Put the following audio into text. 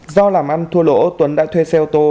do làm ăn thua lỗ tuấn đã thuê xe ô tô